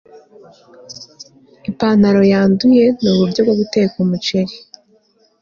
Ipantaro yanduye Nuburyo bwo guteka umuceri